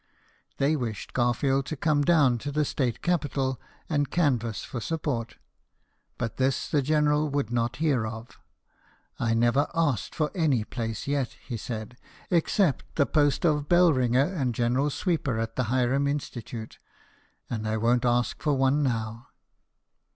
They wished Garfield to come down to the state capital and canvas for sup port ; but this the General would not hear of. " I lever asked for any place yet/' he said, " except the post of bell ringer and general sweeper at the Hiram Institute, and I won't* ask for one now."